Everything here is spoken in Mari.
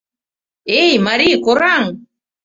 — Эй, марий, кораҥ!